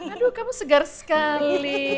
aduh kamu segar sekali